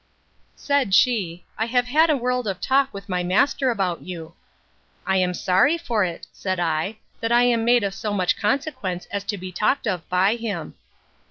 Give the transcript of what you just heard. Said she, I have had a world of talk with my master about you. I am sorry for it, said I, that I am made of so much consequence as to be talked of by him.